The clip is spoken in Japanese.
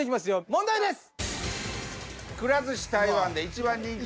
問題です。